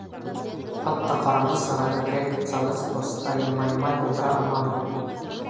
Хатта ҡараңғы сырайлы грек Цалевкос та йылмаймай булдыра алманы.